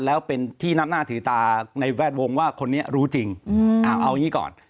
แล้วเป็นที่นับหน้าถือตาในแวดวงว่าคนนี้รู้จริงเอาอย่างนี้ก่อน